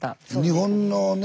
日本のね